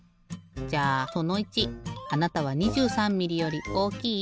じゃあその１あなたは２３ミリより大きい？